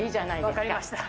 分かりました。